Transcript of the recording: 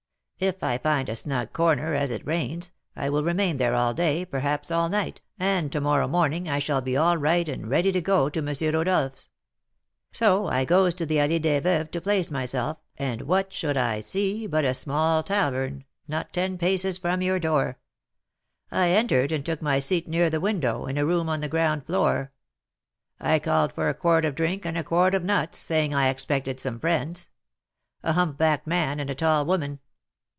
If I find a snug corner, as it rains, I will remain there all day, perhaps all night, and to morrow morning I shall be all right and ready to go to M. Rodolph's.' So I goes to the Allée des Veuves to place myself, and what should I see but a small tavern, not ten paces from your door! I entered and took my seat near the window, in a room on the ground floor. I called for a quart of drink and a quart of nuts, saying I expected some friends, a humpbacked man and a tall woman.